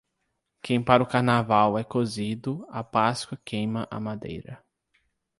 Quem para o Carnaval é cozido, a Páscoa queima a madeira.